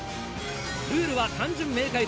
ルールは単純明快です。